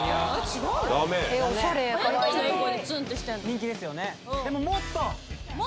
人気ですよね。